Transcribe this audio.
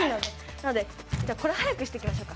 なのでじゃあこれ速くしていきましょうか。